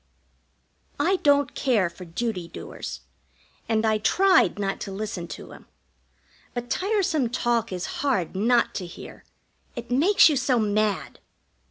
I don't care for duty doers, and I tried not to listen to him; but tiresome talk is hard not to hear it makes you so mad.